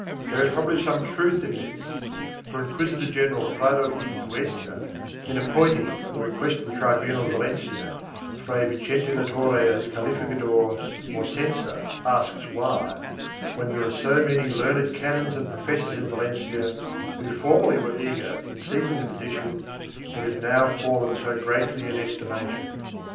2 There is probably some truth in this, for Inquisitor general Prado y Cuesta, in appointing, at the request of the tribunal of Valencia, Fray Vicente Latorre as calificador or censor, asks why, when there are so many learned canons and professors in Valencia, who formerly were eager in seeking the position, it had now fallen so greatly in estima tion.